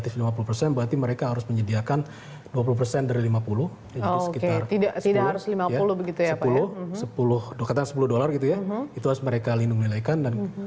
itu harus mereka lindungi laikan